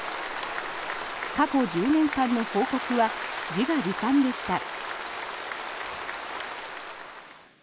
過去１０年間の報告は自画自賛でした。